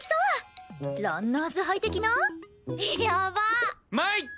ランナーズハイ的な？やばっ！